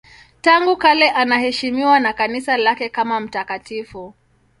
Tangu kale anaheshimiwa na Kanisa lake kama mtakatifu.